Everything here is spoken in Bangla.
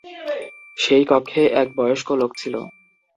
সেই কক্ষে এক বয়স্ক লোক ছিল।